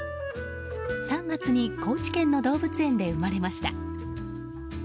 ３月に高知県の動物園で生まれました。